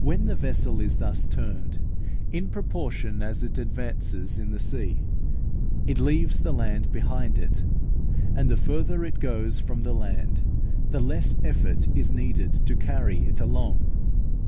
When the vessel is thus turned, in proportion as it advances in the sea, it leaves the land behind it, and the further it goes from the land, the less effort is needed to carry it along.